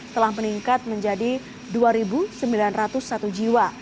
telah meningkat menjadi dua sembilan ratus satu jiwa